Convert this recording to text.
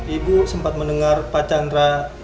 ibu sempat mendengar pak chandra